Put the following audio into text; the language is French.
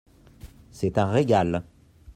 C’est un régal !